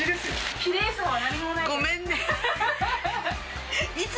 きれいさは何もないです。